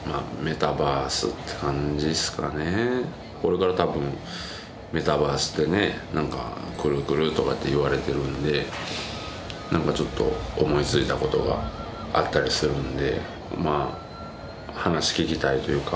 これからたぶんメタバースってねくるくるとかって言われてるんで何かちょっと思い付いたことがあったりするんで。